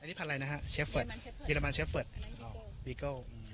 อันนี้พันอะไรนะฮะเชฟเฟิร์ดเยอรมันเชฟเฟิร์ดอ๋อวีเกิ้ลอืม